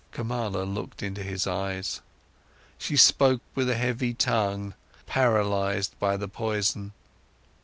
Kamala looked into his eyes. She spoke with a heavy tongue, paralysed by the poison.